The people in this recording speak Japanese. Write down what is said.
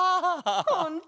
ほんと？